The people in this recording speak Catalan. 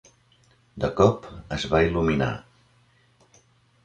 De cop, es va il·luminar.